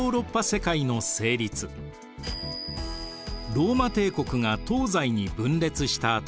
ローマ帝国が東西に分裂したあと